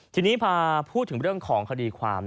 ทีนี้พอพูดถึงเรื่องของคดีความ